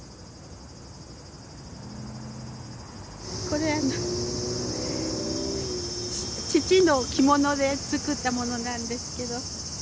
これ父の着物で作ったものなんですけど。